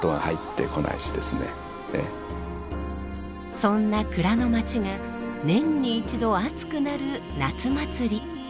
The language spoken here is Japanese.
そんな蔵の街が年に一度熱くなる夏祭り。